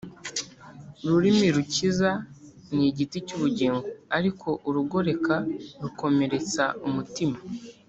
ururimi rukiza ni igiti cy’ubugingo, ariko urugoreka rukomeretsa umutima